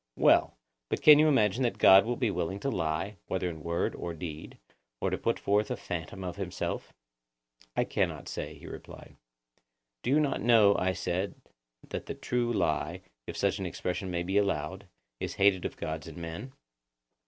Well, but can you imagine that God will be willing to lie, whether in word or deed, or to put forth a phantom of himself? I cannot say, he replied. Do you not know, I said, that the true lie, if such an expression may be allowed, is hated of gods and men?